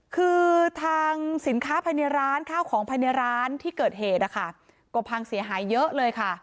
คือทางสินค้าภายในร้านข้าวของภายในร้านที่เกิดเหตุนะคะก็พังเสียหายเยอะเลยค่ะ